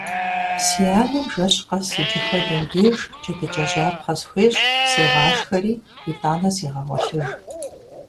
Си анэм жэщ къэс иджы хуэдэм деж джэдыкӀэжьапхъэ схуещӀ, сегъашхэри, итӀанэ сегъэгъуэлъыж.